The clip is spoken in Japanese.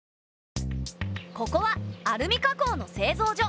ここはアルミ加工の製造所。